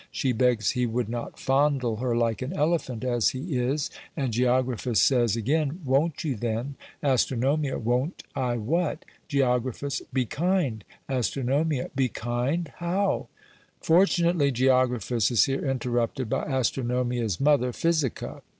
She begs he would not fondle her like an elephant as he is; and Geographus says again, "Won't you then?" Ast. Won't I what? Geo. Be kinde? Ast. Be kinde! How?" Fortunately Geographus is here interrupted by Astronomia's mother Physica.